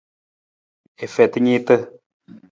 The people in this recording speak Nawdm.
I feta niita.